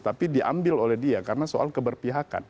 tapi diambil oleh dia karena soal keberpihakan